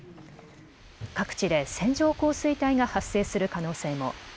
各地で線状降水帯が発生する可能性も。